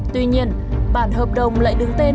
tuy nhiên bảng hợp đồng lại đứng tên